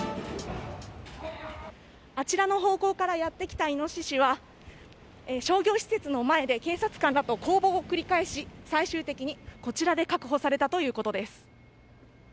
あちらの方向からやってきたイノシシは商業施設の前で警察官らと攻防を繰り返し最終的にこちらで確保されたということです。